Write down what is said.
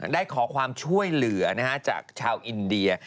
ได้ขอความช่วยเหลือจากชาวอินเดีย